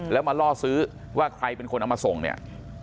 แล้วมาล่อซื้อว่าใครเป็นคนเอามาส่งเนี่ย